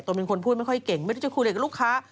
ตนเป็นคนพูดไม่ค่อยเก่งไม่ได้คุยเลยกับลูกค้า